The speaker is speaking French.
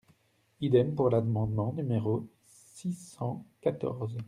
Idem pour l’amendement numéro six cent quatorze.